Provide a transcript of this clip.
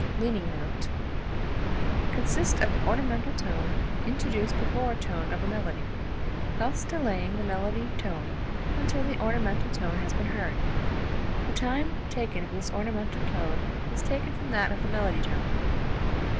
leaning note) consists of an ornamental tone introduced before a tone of a melody, thus delaying the melody tone until the ornamental tone has been heard. The time taken for this ornamental tone is taken from that of the melody tone.